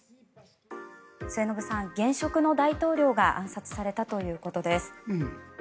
末延さん、現職の大統領が暗殺されたということです。